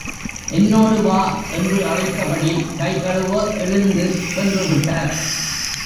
என்னோடு வா! என்று அழைத்தபடி கை கழுவ எழுந்து, சென்று விட்டார்.